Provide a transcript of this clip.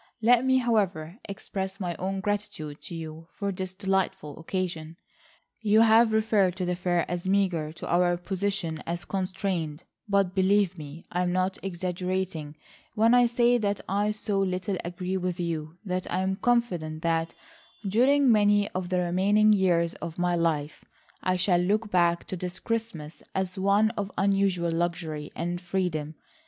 Let me, however, express my own gratitude to you for this delightful occasion. You have referred to the fare as meagre, to our position as constrained, but believe me, I am not exaggerating when I say that I so little agree with you that I am confident that, during many of the remaining years of my life I shall look back to this Christmas as one of unusual luxury and freedom.